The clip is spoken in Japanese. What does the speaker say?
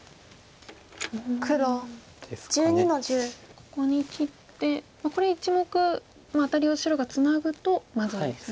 ここに切ってこれ１目アタリを白がツナぐとまずいですね。